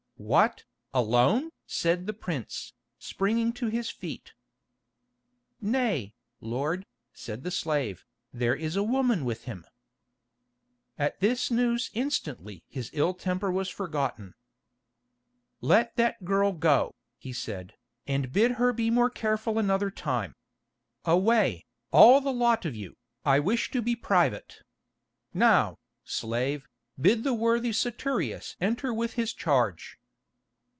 "What, alone?" said the prince, springing to his feet. "Nay, lord," said the slave, "there is a woman with him." At this news instantly his ill temper was forgotten. "Let that girl go," he said, "and bid her be more careful another time. Away, all the lot of you, I wish to be private. Now, slave, bid the worthy Saturius enter with his charge."